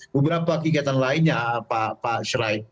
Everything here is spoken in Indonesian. beberapa kegiatan lainnya pak srai